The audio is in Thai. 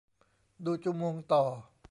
ดูจูมงต่อ